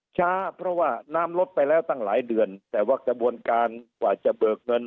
ช้าเพราะว่าน้ำลดไปแล้วตั้งหลายเดือนแต่ว่ากระบวนการกว่าจะเบิกเงิน